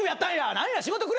「何や仕事くれ！」